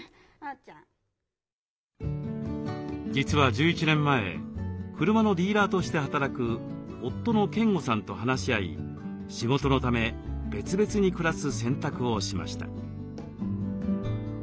実は１１年前車のディーラーとして働く夫の健吾さんと話し合い仕事のため別々に暮らす選択をしました。